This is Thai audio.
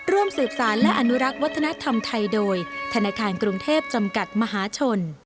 ร่วมสืบสารและอนุรักษ์วัฒนธรรมไทยโดยธนาคารกรุงเทพจำกัดมหาชน